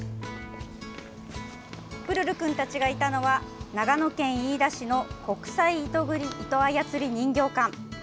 プルルくんたちがいたのは長野県飯田市の国際糸操り人形館。